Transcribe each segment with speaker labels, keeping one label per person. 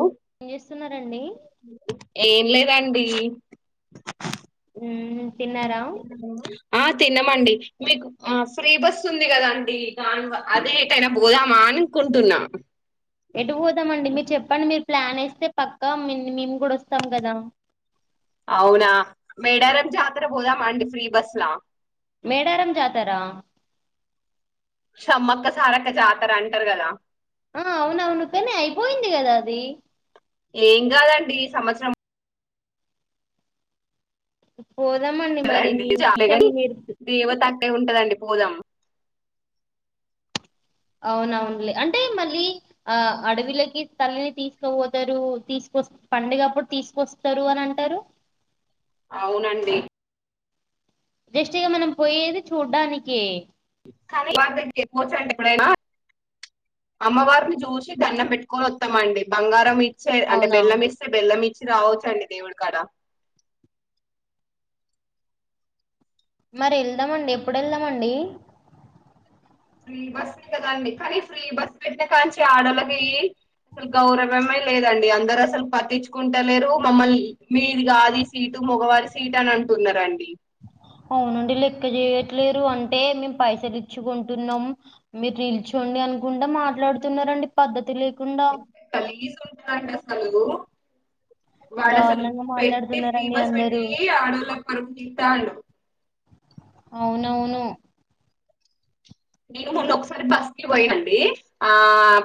Speaker 1: ఓ
Speaker 2: ఇస్తున్నారండి
Speaker 1: ఏం లేదండి
Speaker 2: మ్మ్ తిన్నారా
Speaker 1: అ తినమండి మీకు ఆ ఫ్రీ బస్ ఉంది కదాండి అదే ఏటైనా పోదామా అనుకుంటున్నా
Speaker 2: ఎటు పోదామండి మిర్ చెప్పండి మీర్ ప్లాన్ ఎస్తే పక్క మిన్ మేము ప్పుడు వస్తాం గదా
Speaker 1: అవునా మేడారం జాతర పోదామ ఆన్డి ఫ్రీ బస్ల
Speaker 2: మేడారం జాతర
Speaker 1: సమ్మక్క సారక్క జాతర అంటరు గదా
Speaker 2: ఆ అవునవును పనే అయిపోయింది గదా అది
Speaker 1: ఏం కాదండి సంవత్సరం
Speaker 2: పోదామండి మరి మీచం మీరుకు
Speaker 1: అంటే ఉంటదండి పూలం
Speaker 2: అవునవునులే అంటే మళ్ళీ ఆఅడివిలకి తల్లిని తీసుకుపోతారు తీసుకొస్త పండగప్పుడు తీసుకొస్తారు అని అంటారు
Speaker 1: అవునండి
Speaker 2: జస్ట్గా మనం పోయేది చూడ్డానికి
Speaker 1: కానీ వారి దగ్గర [unintelligible] ఎప్పుడైనా అమ్మవారిని చూసి దండం పెట్టుకొని వస్తామండి బంగారం ఇచ్చే అంటే
Speaker 2: అవునా
Speaker 1: బెల్లం ఇస్తే బెల్లం ఇచ్చ రావచ్చండి దేవుడికాడ
Speaker 2: మరి వెళ్దామండి ఎప్పుడు వెళ్దామండి
Speaker 1: ఫ్రీ బస్ కదండి కానీ ఫ్రీ బస్ పెట్టి కాంచి ఆడలకి అసలు గౌరవమే లేదండి అందరు అసలు పట్టించుకుంటలేరు మమ్మల్ని మీది కాది సీటు ముగవారి సీటు అని అంటున్నారండి
Speaker 2: అవునండి లెక్క చేయట్లేరు అంటే మేము పైసలు ఇచ్చుకుంటున్నాము మీరు నిల్చోండి అనుకుంటే మాట్లాడుతున్నారండి పద్ధతి లే
Speaker 1: కలిగి [unintelligible] కంట స్ల [unintelligible] వాడా అసలు
Speaker 2: దారుణంగా
Speaker 1: పెట్టి ఫ్రీ
Speaker 2: మాట్లాడుతున్నారండి
Speaker 1: బస్ పెట్టి
Speaker 2: అందరూ
Speaker 1: ఆడాళ్లకు చ [unintelligible]
Speaker 2: అవునవును
Speaker 1: నేను మొన్నొ ఒకసారి బస్ కి పోయినండి ఆ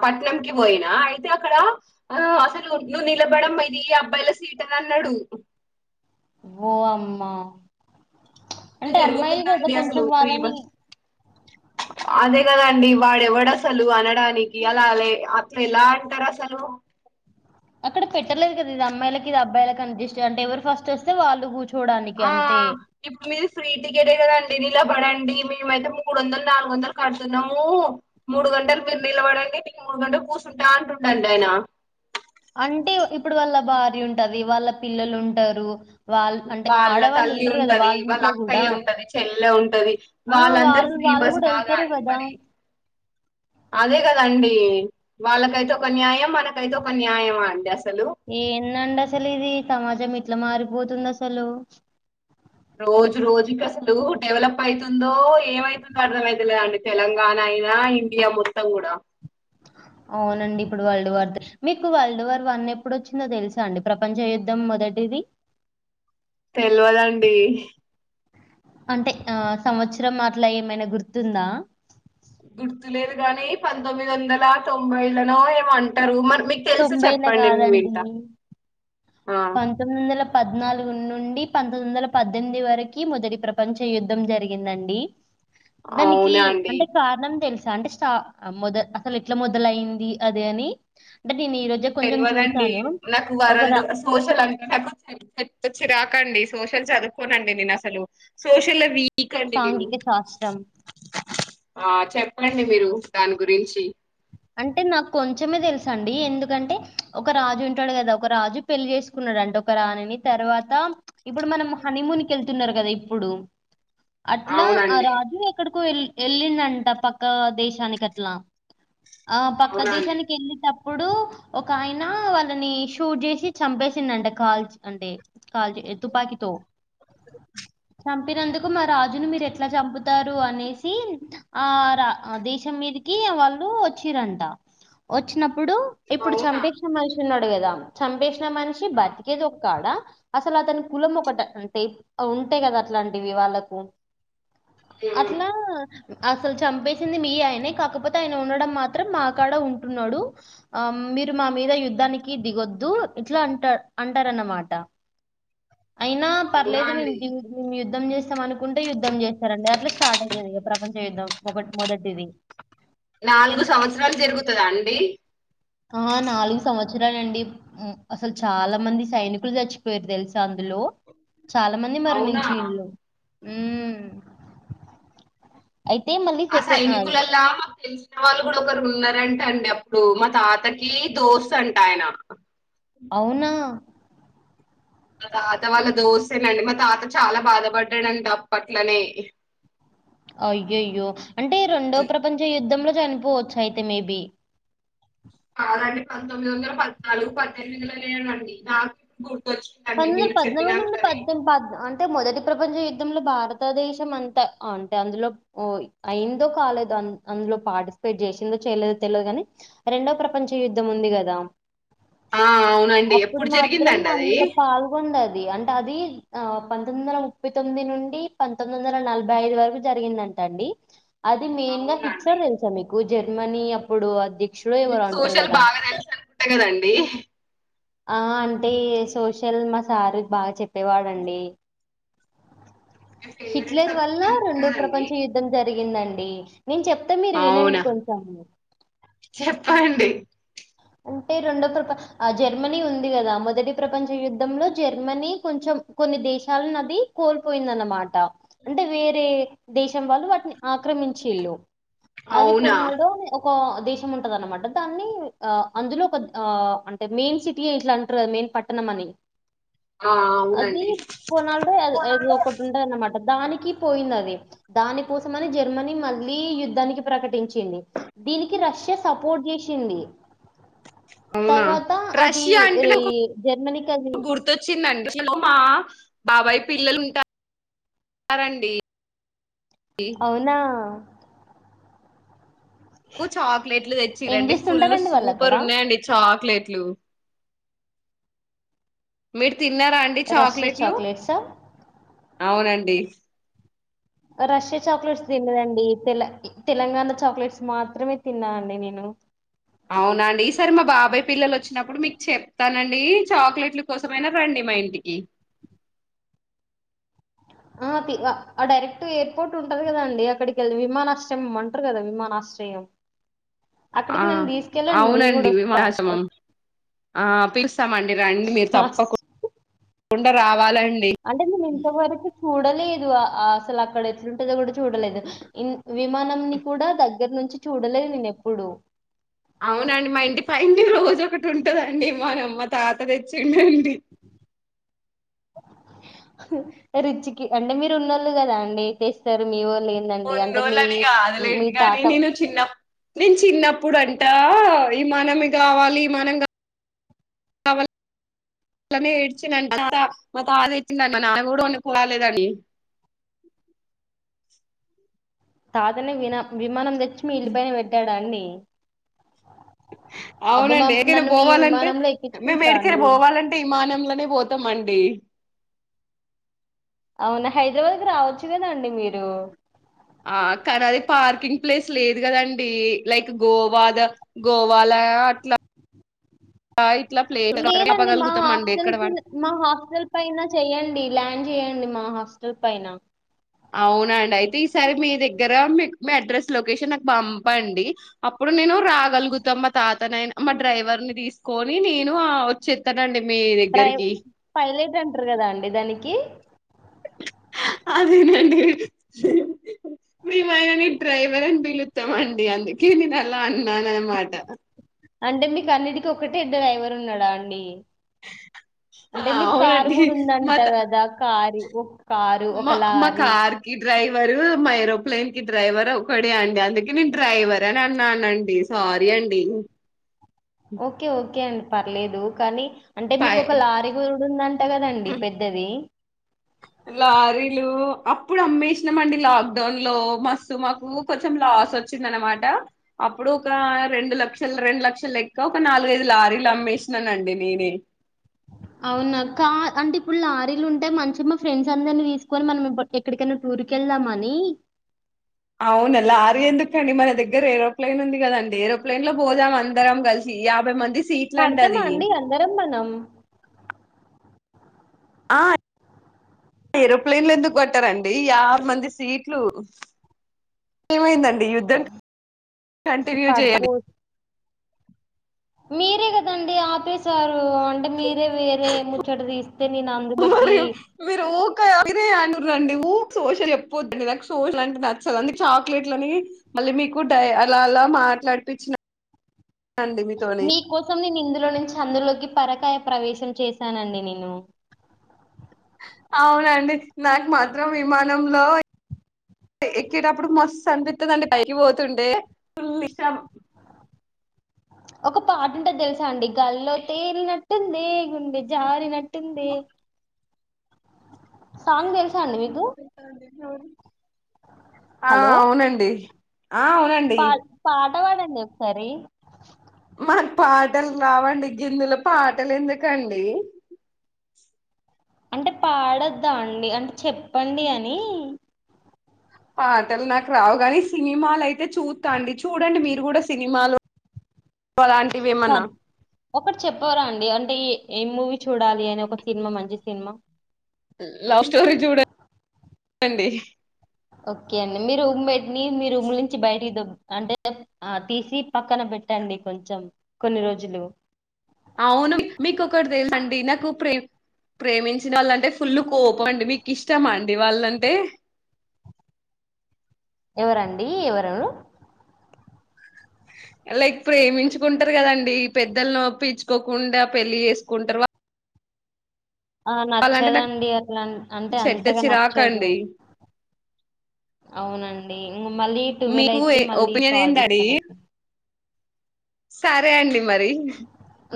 Speaker 1: పట్నం కి పోయినా అయితే అక్కడ అసలు ను్ నిలబడం ఇది అబ్బాయిల సీట్ అని అన్నాడు
Speaker 2: ఓ అమ్మ
Speaker 1: ఇట్లా
Speaker 2: అంటే అమ్మాయిలు కదా
Speaker 1: జరుగుతుందండి అసలు
Speaker 2: కొంచెం
Speaker 1: ఫ్రీ బస్
Speaker 2: వాళ్ళని
Speaker 1: అదే కదండి వాడెవడు అసలు అనడానికి అలా అట్లా ఎలా అంటారు అసలు
Speaker 2: అక్కడ పెట్టలేదు కద ఇ అమ్మాయిలకి ఇది అబ్బాయిల అ ఇష్ట అ ఎవరు ఫస్ట్ వస్తే వాళ్ళు కూర్చు
Speaker 1: ఆ ఇప్పుడు మీది ఫ్రీటికెట్ కదా అండి నిలబడండి మేముయితే మూడు వందలు నాలుగు వందలు కడుతున్నాము మూడు గంటలు మీరు నీల పడండి ఇ మూడు గంటలు కూర్చుంటా అంటుండండి ఆయన
Speaker 2: అంటే ఇప్పుడు వాళ్ళ భార్య ఉంటది వాళ్ళ పిల్లలు ఉంటారు వాళ్ళు అంటే
Speaker 1: వాళ్ళ
Speaker 2: ఆడవాళ్ళు
Speaker 1: తల్లి
Speaker 2: ఉంటారు కదా
Speaker 1: ఉంటది వాళ్ళ
Speaker 2: ఇంట్లో కూడా
Speaker 1: అక్కయ్య ఉంటది చెల్లె ఉంటది
Speaker 2: ఆ
Speaker 1: వాళ్ళందరూ
Speaker 2: వాళ్ళు
Speaker 1: ఫ్రీ
Speaker 2: వాళ్ళు
Speaker 1: బస్
Speaker 2: కూడా
Speaker 1: కాదా
Speaker 2: వెళ్తారు
Speaker 1: అండి
Speaker 2: కదా
Speaker 1: మరి అదే కదండి వాళ్ళకైతే ఒక న్యాయం మనకైతే ఒక న్యాయం అండి అ
Speaker 2: ఏ నా అడాసలు ఇది సమాజం ఇట్లా మారిపోతుంది అసలు
Speaker 1: రోజు రోజుకి అసలు డెవలప్ అవుతుందో ఏమైతుందో అర్థంమైతులేదండి తెలంగాణ అయినా ఇండియా మొత్తం కూడా
Speaker 2: అవునండి ఇప్పుడు వరల్డ్ వార్ మీకు వరల్డ్ వార్ వన్ ఎప్పుడు వచ్చిందో తెలుసా అండి ప్రపంచం యుద్ధం మొదటిది
Speaker 1: తెలవదండి
Speaker 2: అంటే ఆ సంవత్సరం అట్లా ఏమైనా గుర్తుందా
Speaker 1: గుర్తులేదు గాని పంతొమ్మిది వందల తొంభైలన ఏమంటారు మన మీకు తెలిసి
Speaker 2: తొంభైల
Speaker 1: చెప్పండి నేను
Speaker 2: కాదండి
Speaker 1: వింటా ఆ
Speaker 2: పంతొమ్మిది వందల పద్నాలుగు ను నుండి పంతొమ్మిది వందల పద్దెనిమిది వరకి మొదటి ప్రపంచ యుద్ధం జరిగిందండి దానికి
Speaker 1: అవునా అండి
Speaker 2: అంటే కారణం తెలుసు అంటే స్ట మొదల్ అసలు ఎట్లా మొదలయింది. అది అని అంటే నేను ఈరోజే కొంచెం చూసాను. ఒకర
Speaker 1: పూసలంతా తే తేచ్ తెచ్చి రాకండి. సోషల్ చదువుకోనండి నేను అసలు సోషల్ల వీక్ అండి నేను
Speaker 2: సాంఘిక శాస్త్రం
Speaker 1: ఆ చెప్పండి మీరు దాని గురించి
Speaker 2: అంటే నాకు కొంచమే తెలుస్అండి ఎందుకంటే ఒక రాజు ఉంటడు కదా ఒక రాజు పెళ్లి చేసుకున్నాడంటా ఒక రానిని తర్వాత ఇప్పుడు మనం హనీమూన్కి వెళ్తున్నరు. కదా ఇప్పుడు అట్లా ఆ
Speaker 1: అవునండి
Speaker 2: రాజు ఎక్కడికో కు ఎల్ వెళ్లిడంట పక్క దేశానికి అట్లా ఆ పక్క
Speaker 1: అవునండి
Speaker 2: దేశానికి వెళ్ళి టప్ ఇప్పుడు ఒక ఆయన వాళ్ళని షూట్ జేసి చంపేసిండంట అంటే కాల్చి అంటే కాల్చి ఎతూ తూపాకి తో మీరు అందుకు మా రాజును మీరు ఎట్లా చంపుతారు. అనేసి ఆ రా ఆ దేశం మీదికి వాల్ ప్పు వచ్చిరంట వచ్చినప్పు ఇప్పుడు ఇప్పుడు
Speaker 1: అవునా
Speaker 2: చంపేష్ణ మనిషి చున్నాడు కదా చంపేషిన మనిషి
Speaker 1: ఆ,
Speaker 2: బతికేది ఒకాడ అసలు అతని కులం ఒకటి ట అంటే ఉంటే కదా అట్లాంటివి వాళ్ళకు
Speaker 1: ఉమ్.
Speaker 2: అట్లా అసలు చంపేసింది మీ ఆయనే కాకపోతే ఆయన ఉండడం మాత్రం మాకడ ఉంటున్నడు. ఆ మీరు మా మీద యుద్ధానికి దిగొద్దు ఇట్లా అంట అంటారన్నమాట అయినా
Speaker 1: అవునా
Speaker 2: పర్లేదు మేము
Speaker 1: అండి
Speaker 2: దిన్ కి యుద్ యుద్ధం చేస్తాం అనుకుంటే యుద్ధం చేస్తారండి. అట్లా స్టార్ట్ అయితది ప్రపంచ యుద్ధం ఒక మొదటిది
Speaker 1: నాలుగు సంవత్సరాలు జరుగుతుదా అండి
Speaker 2: ఆ నాలుగు సంవత్సరాలండి అసలు మ్ చాలా మంది సైనికులు సచ్చిపోయిరు. తెలుసా అందులో చాలా మంది
Speaker 1: అవునా
Speaker 2: మరణించిండ్లు ఉమ్
Speaker 1: ఆ సైనికులల్లా మాకు తెలిసిన వాళ్ళు కూడా ఒకరు ఉన్నారండి. అండి అప్పుడు మా తాతకి దోస్తు అంట ఆయన
Speaker 2: అవునా
Speaker 1: మా తాత వాళ్ళ
Speaker 2: హ్మ్.
Speaker 1: దోస్సేనండి మా తాత చాలా బాధపడ్డాడంట అప్పట్లనే
Speaker 2: అయ్యోయ్యో అంటే రెండో ప్రపంచ యుద్ధంలో చనిపోవచ్చు అయితే మేబి
Speaker 1: కాదండి పంతొమ్మిది వందల పద్నాలుగు పద్దెనిమిది వందల ఏడు అండి నాకు గుర్
Speaker 2: పంతొమ్మిది పద్నాలుగు నుండి పద్దెనిమిది పద్నాలు అంటే మొదటి ప్రపంచ యు యుద్ధంలో భారతదేశం అంతా అంటే అందులోఓ అయిందో కాలేదు అందులో పార్టిసిపేట్ చేసిందో చేయలేదో తెలివదు కాని రెండో ప్రపంచ యుద్ధం ఉంది కదా
Speaker 1: ఆ అవునండి ఎప్పుడు జరిగిందండి అది
Speaker 2: ఉండది అంటే అది ఆ పంతొమ్మిది వందల ముప్పై తొమ్మిది నుండి పంతొమ్మిది వందల నలభై ఐదు వరకు జరిగిందంట అండి అది మెయిన్ గా
Speaker 1: అవునండి
Speaker 2: హిట్లర్ తెలుసా మీకు జర్మనీ అప్పుడు అది
Speaker 1: మీకు సోషల్ బాగా తెలుసు అనుకుంటా కదండి
Speaker 2: ఆ అం టె సోషల్ నాక్ సారు బాగా చెప్ పెవాడండి
Speaker 1: మీ ఫేవరెట్
Speaker 2: హిట్లర్ వల్ల
Speaker 1: సబ్జెక్ట్ అనుకుంటా
Speaker 2: రొండో
Speaker 1: కదండి
Speaker 2: ప్రపంచ యుద్ధం జరి జరిగిందండి నేను చెప్తా మీరు వినండి
Speaker 1: అవునా
Speaker 2: కొంచెం
Speaker 1: చెప్పండి
Speaker 2: అంటే రెండో ప్రప ఆ జర్మనీ ఉంది కదా మొదటి ప్రపంచ యుద్ధంలో జర్మనీ కొంచెం కొన్ని దేశాలను అది కోల్పోయిందన్నమాట అంటే వేరే దేశం వాళ్ళు వాటిని ఆక్రమించిళ్ళు అది
Speaker 1: అవునా
Speaker 2: పోనాడు ఒక దేశం ఉంటద అన్నమాట దాన్ని ఆ అందులో ఒక ఆ అంటే మెయిన్ సిటీ ఇట్లా అంటారు కదా మెయిన్ పట్టణం అని
Speaker 1: ఆ
Speaker 2: అది
Speaker 1: అవునండి
Speaker 2: పోనాళ ఏ ఒక్కటిటుంట అనమాట దానికి పోయింది అది దాని కోసంమని జర్మనీ మళ్ళీ యుద్ధానికి ప్రకటించింది దీనికి రష్యా సపోర్ట్ చేసింది
Speaker 1: అవునా రష్యా అంటే
Speaker 2: రి
Speaker 1: ఒక
Speaker 2: జర్మనీకి అది
Speaker 1: గుర్తొచ్చిందండి మా బాబాయ్ పిల్లలు ఉంటారండి నాకు
Speaker 2: అవునా
Speaker 1: కు చాక్లెట్లు
Speaker 2: ఏం
Speaker 1: తెచ్చరండి ఫుల్
Speaker 2: చేస్తుంటారండి వాళ్ళక్కడ?
Speaker 1: సూపర్ ఉన్నాయండి చాక్లెట్ మీర్
Speaker 2: రష్యా చాక్లెట్సా?
Speaker 1: అవునండి
Speaker 2: రష్యా చాక్లెట్స్ తిన్నదండి తెల తెలంగాణ చాక్లెట్స్ మాత్రమే తిన్నా అండి నేను
Speaker 1: అవునండి ఈ సారి మా బాబాయ్ పిల్లలు వచ్చినప్పుడు మీకు చెప్తానండి చాక్లెట్లు కోసమయినా రండి మా ఇంటికి
Speaker 2: ఆ తి వ ఆ డైరెక్ట్ ఎయిర్పోర్ట్ ఉంటది కదాండి అక్కడికి వెళ్ళి విమానాశ్రయం అమ్మంటారు కదా విమానాశ్రయం అక్కడికి
Speaker 1: ఆ
Speaker 2: నన్ను తీసుకెళ్ళండి నేను కూడా
Speaker 1: అవునండి
Speaker 2: వస్తా
Speaker 1: విమాశమం ఆ పిలుస్తామండి రండి మీరు
Speaker 2: వస్
Speaker 1: తప్పకుం కుండా రావాలన్
Speaker 2: అంటే నెన్ ఇంతవరకు చూడలేదు అ అసలు అక్కడ ఎట్లుంటుందో కూడా చూడలేదు ఇ విమానంని కూడా దగ్గర నుంచి చూడలేదు నేను ఎప్పుడు
Speaker 1: అవునండి మా ఇంటి పైంది రోజు ఒకటి ఉంటదండి మానమ్మ తాత తెచ్చి ఎంటడి
Speaker 2: హా రుచికి అంటే మీరు ఉన్నోళ్ళు కదా అండి తెస్తారు మీవొ
Speaker 1: రండోళ్ల అని కాదలేదు కాగానీ
Speaker 2: తాత
Speaker 1: నేను చిన్న నేను చిన్నప్పుడు అంట ఈ మనం కావాలి ఈ మనం [inaudible]
Speaker 2: తాత నీ వినా విమానం ద లష్మి ఇల్లు పైన పెట్టారండి అబ్బా మా
Speaker 1: అవునండి ఏకైనా
Speaker 2: నన్ను మీ
Speaker 1: పోవాలంటే
Speaker 2: విమానంలో
Speaker 1: మేము
Speaker 2: ఎక్కించుకుంటారా
Speaker 1: ఎడికైనా
Speaker 2: అండి
Speaker 1: పోవాలంటే విమానంలోనే పోతు త్తమండి
Speaker 2: అవునా హైదరాబాద్ కి రావచ్చు కదండి మీరు
Speaker 1: ఆ కానీ అది పార్కింగ్ ప్లేస్ లేదు కదండి లైక్ గోవా ద గోవాల అట్లా ఇట్లా ప్లేస్
Speaker 2: లేదండి మా
Speaker 1: ఆపగలుగుతాం అండి
Speaker 2: హాస్టల్
Speaker 1: ఎక్కడ పడితే
Speaker 2: మా హాస్టల్ పైన చెయ్యడి ల్యాండ్ చేయండి అడి మా హాస్టల్ పైన
Speaker 1: అవునండి అయితే ఈసారి మీ దగ్గర మీ మీ అడ్రస్ లొకేషన్ నాకు పంపండి అప్పుడు నేను రాగలుగుతాం మా తాత మా డ్రైవర్ ని తీసుకొని నేను వచ్చేస్తా
Speaker 2: డ్రై పైలట్ అంటారు కదా అండి దానికి
Speaker 1: అదేనండి మేమనా నీ డ్రైవర్ అని పిలుతామండి అందుకే నేను అలా అన్నాను అన్నమాట
Speaker 2: అంటే మీకు అన్నిటికి ఒకటే డ్రైవర్ ఉన్నాడా అండి
Speaker 1: ఆ!
Speaker 2: అంటే మీకు కారు
Speaker 1: అవునండి.
Speaker 2: కూడా
Speaker 1: మా
Speaker 2: ఉందంటా
Speaker 1: త
Speaker 2: కదా కార్ వఓ
Speaker 1: మా మ కార్ కి డ్రైవ్ రు మా ఏరోప్లేన్ కి డ్రైవర్ ఒకడే అండి అందుకే నేను డ్రైవర్ అని అన్నానండి సారీ అండి
Speaker 2: ఓకే ఓకే అండ్ పర్లేదు కానీ అంటే మీకు
Speaker 1: పాయ్
Speaker 2: ఒక లారీ కూడా ఉందంట కదండి పెద్దది
Speaker 1: లారీలు అప్పుడు అమ్మేసినామండి లాక్డౌన్ లో మస్తు మాకు కొంచెం లాస్ వచ్చింది అనమాట అప్పుడు ఒక రెండు లక్షలు రెండు లక్షలు లెక్క ఒక నాలుగైదు లారీలు అమ్మేసినానండి నేనే
Speaker 2: అవునా కా అంటే ఇప్పుడు లారీలు ఉంటే మంచిగా మా ఫ్రెండ్స్ అందరినీ తీసుకొని మనం ఎక్కడికైనా టూర్కి వెళ్దామని
Speaker 1: అవునలా ఆరేందుకుండి మన దగ్గర ఏరోప్లేన్ ఉంది కదండి ఏరోప్లెయిన్ లో పోదాం అందరం కలిసి యాభై మంది సీట్లండి
Speaker 2: పడతామా
Speaker 1: అది
Speaker 2: అండి అందరం మనం
Speaker 1: ఆ ఏరోప్లేన్లు ఎందుకు కొట్టారండి యాభ మంది సీట్లు ఏమైందండి యుద్ధం కంటిన్యూ
Speaker 2: పడతాం
Speaker 1: చేయి
Speaker 2: మీరే కదండి ఆపేశారు అంటే మీరే వేరే ముచ్చోట తీస్త
Speaker 1: మరి మీరు ఊకా మీరే అను రండి ఊ శోష చెప్ పోతుండి నాకు సోష అంటే నచ్చదు అ చాక్లెట్లని మళ్ళీ మీకు డ అలా అలా మాట్లాడిపిచ్చిన
Speaker 2: మీకోసం నేను ఇందులో నుంచి అందులోకి పరకాయ ప్రవేశ చేశానండి నేను
Speaker 1: అవునండి నాకు మాత్రం విమానంలో ఎక్కేటప్పుడు మస్తు అనిపిస్తుందండి పైకి పోతుండే ఫుల్ ఇష్టం
Speaker 2: ఒక పాట ఉంటే తెలుసా అండి గల్లో తేలినట్టుంది గుండె జారినట్టుంది సాంగ్ తెలుసా అండి మీకు
Speaker 1: ఆ
Speaker 2: హలో
Speaker 1: అవునండి ఆ అవునండి
Speaker 2: తవాదండి ఒ ఒకసారి
Speaker 1: మాకు పాటలు రావండి గిందుల పాటలు ఎందుకండి
Speaker 2: అంటే పాడొద్దా అండి అంటే చెప్పండి అని
Speaker 1: పాటలు నాకు రావు కానీ సినిమాలు అయితే చూస్తా అండి చూడండి మీరు కూడా సినిమాలో
Speaker 2: స ఒకటి చెప్పవరా అండి అంటే అంట ఏం మూవీ చూడాలి అని ఒక సినిమా మంచి సినిమా
Speaker 1: లవ్ స్టోరీ చూడ చూడంండి
Speaker 2: ఓకే అండి మీరు రూమ్మేట్ నీ మీరుమ్ములించి బయటికి దబ్ అంటే తీసి పక్కన పెట్టండి కొంచెం కొన్ని రోజులు
Speaker 1: అవును మీకుొ ఒకటి తెలు అండి నాకు ప్రే ప్రేమించిన వాళ్ళంటే ఫుల్ కోపం అండి మీకు ఇష్టమా అండి వాళ్ళంటే
Speaker 2: ఎవరండి ఎవరు
Speaker 1: లైక్ ప్రేమించుకుంటారు కదండి పెద్దలు నొప్పిించుకోకుండా పెళ్లి చేసుకుంటారు వా
Speaker 2: ఆ
Speaker 1: నాకు
Speaker 2: నచ్చేదండి అట్లా అంటే
Speaker 1: చెడ్డ
Speaker 2: అంతగా నచ్చదు
Speaker 1: చిరాకండి
Speaker 2: అవునండి అ మళ్ళీ టువెల్వ
Speaker 1: మీకు
Speaker 2: అయితే మళ్ళీ
Speaker 1: ఒపీనియన్
Speaker 2: కాలడేస్
Speaker 1: ఏందండి
Speaker 2: కనెక్
Speaker 1: సరే అండి మరి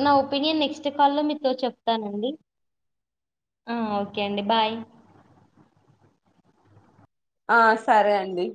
Speaker 2: నా ఒపీనియన్ నెక్స్ట్ కాల్లో మీతో చెప్తానండి ఓకే అండి బాయ్
Speaker 1: ఆ సరే అండి